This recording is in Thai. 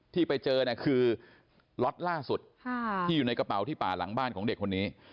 ที่ไปเจอเนี่ยคือล็อตล่าสุดที่อยู่ในกระเป๋าที่ป่าหลังบ้านของเด็กคนนี้